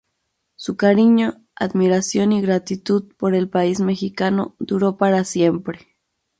Su cariño, admiración y gratitud por el país mexicano duró para siempre.